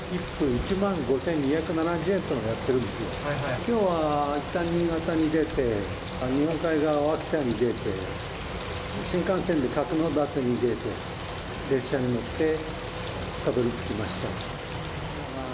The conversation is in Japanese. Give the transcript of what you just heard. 今日は新潟に出て日本海側、秋田に出て新幹線で角館に出て列車に乗ってたどり着きました。